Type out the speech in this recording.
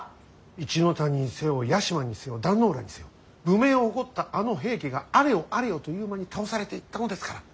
一ノ谷にせよ屋島にせよ壇ノ浦にせよ武名を誇ったあの平家があれよあれよという間に倒されていったのですから。